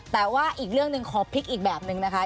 แต่ว่าอีกเรื่องหนึ่งขอพลิกอีกแบบนึงนะคะ